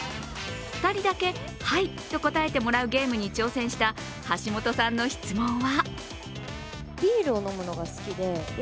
２人だけ「はい」と答えてもらうゲームに挑戦した橋本さんの質問は？